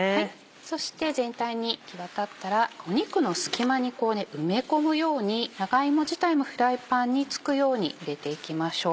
そして全体に行き渡ったら肉の隙間に埋め込むように長芋自体もフライパンに付くように入れていきましょう。